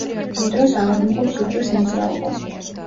ამ დროს ავადმყოფს უჭირს მოძრაობა.